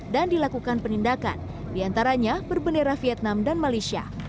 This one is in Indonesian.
dan dilakukan penindakan diantaranya berbendera vietnam dan malaysia